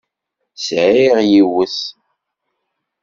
Sεiɣ yiwet.